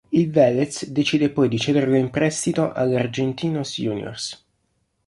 Il Velez decide poi di cederlo in prestito all'Argentinos Juniors.